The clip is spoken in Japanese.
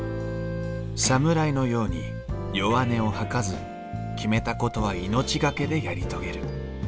侍のように弱音を吐かず決めたことは命懸けでやり遂げる。